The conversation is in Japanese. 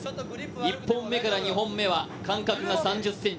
１本目から２本目は間隔が３０ｃｍ。